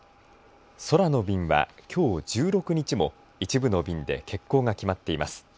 空の便はきょう１６日も一部の便で欠航が決まっています。